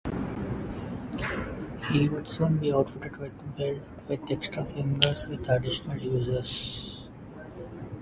He would soon be outfitted with a belt with extra fingers with additional uses.